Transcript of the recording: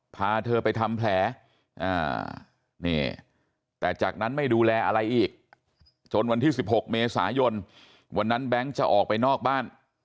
พาเธอไปทำแผลแต่จากนั้นไม่ดูแลอะไรอีกจนวันที่๑๖เมษายนวันนั้นแบงค์จะออกไปนอกบ้าน